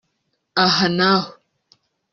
Aha na ho